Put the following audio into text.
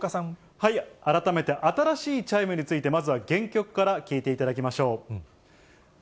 改めて、新しいチャイムについて、まずは原曲から聴いていただきましょう。